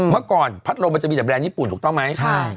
เมื่อก่อนพัดลมมันจะมีแต่แรนดญี่ปุ่นถูกต้องไหม